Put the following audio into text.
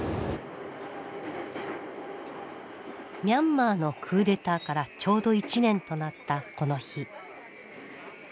ミャンマーのクーデターからちょうど１年となったこの日。